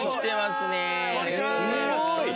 すごい！